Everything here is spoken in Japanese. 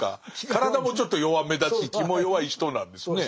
体もちょっと弱めだし気も弱い人なんですね。